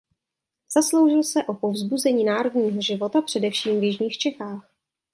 Zasloužil se o povzbuzení národního života především v jižních Čechách.